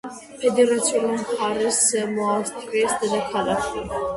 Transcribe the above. ფედერაციული მხარის, ზემო ავსტრიის დედაქალაქი.